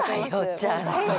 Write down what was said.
ちゃんと。